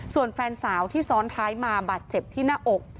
ส่วนแฟนสาวที่ซ้อนท้ายมาบาดเจ็บที่หน้าอก